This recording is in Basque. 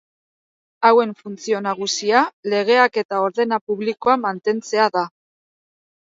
Hauen funtzio nagusia legeak eta ordena publikoa mantentzea da.